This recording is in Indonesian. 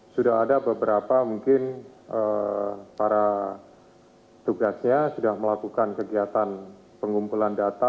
sudah ada beberapa mungkin para tugasnya sudah melakukan kegiatan pengumpulan data